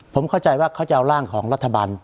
ผมเข้าใจว่าเขาจะเอาร่างของรัฐบาล